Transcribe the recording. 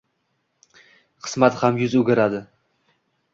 Qismat ham yuz o‘giradi.